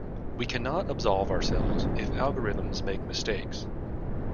We cannot absolve ourselves if algorithms make mistakes.